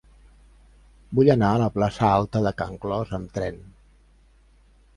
Vull anar a la plaça Alta de Can Clos amb tren.